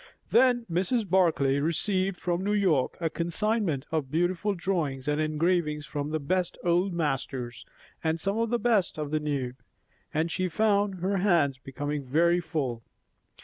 Then Mrs. Barclay received from New York a consignment of beautiful drawings and engravings from the best old masters, and some of the best of the new; and she found her hands becoming very full.